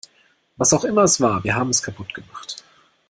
Was auch immer es war, wir haben es kaputt gemacht.